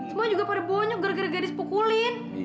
semua juga pada bonyok gara gara gadis pukulin